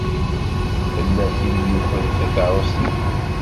Tella tin i yukren takeṛṛust-iw.